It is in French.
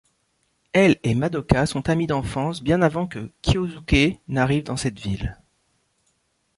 Elle et Madoka sont amies d'enfance bien avant que Kyosuke n'arrive dans cette ville.